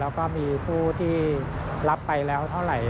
แล้วก็มีผู้ที่รับไปแล้วเท่าไหร่